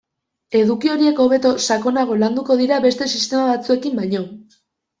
Eduki horiek hobeto, sakonago, landuko dira beste sistema batzuekin baino.